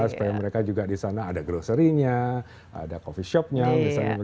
supaya mereka juga di sana ada grocery nya ada coffee shopnya